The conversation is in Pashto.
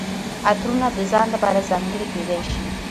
عطرونه د ځان لپاره ځانګړي کیدای شي.